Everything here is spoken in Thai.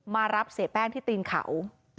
มารับเสียแป้งที่ตีนเขา